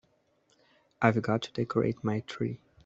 I've got to decorate my tree.